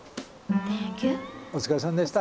お疲れさんでした。